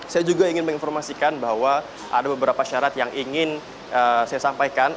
saya juga ingin menginformasikan bahwa ada beberapa syarat yang ingin saya sampaikan